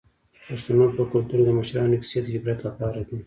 د پښتنو په کلتور کې د مشرانو کیسې د عبرت لپاره دي.